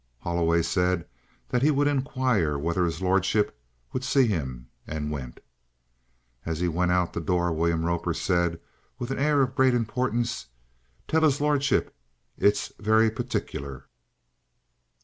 Holloway said that he would inquire whether his lordship would see him, and went. As he went out of the door William Roper said, with an air of great importance: "Tell 'is lordship as it's very partic'ler."